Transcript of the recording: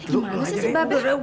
gimana sih si babe